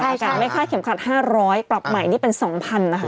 อากาศไม่ค่าเข็มขัด๕๐๐บาทปรับใหม่นี่เป็น๒๐๐๐บาทนะคะ